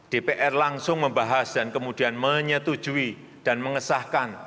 dpr langsung membahas dan kemudian menyetujui dan mengesahkan